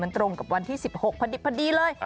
มันตรงกับวันที่๑๖พอดีเลย